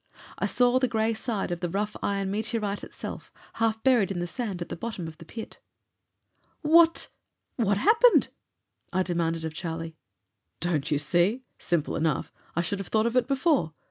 I saw the gray side of the rough iron meteorite itself, half buried in the sand at the bottom of the pit. "What what happened?" I demanded of Charlie. "Don't you see? Simple enough. I should have thought of it before.